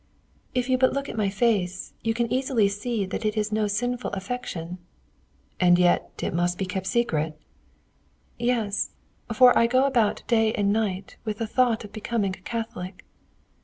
"If you but look at my face, you can easily see that it is no sinful affection." "And yet it must be kept secret?" "Yes, for I go about day and night with the thought of becoming a Catholic."